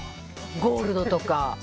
ゴールドとか。